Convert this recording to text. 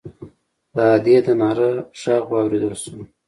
د ادي د ناره غږ واورېدل شو.